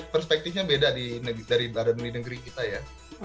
perspektifnya beda dari badan di negeri kita ya